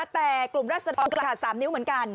แต่กลุ่มรัศดรก็ขาด๓นิ้วเหมือนกัน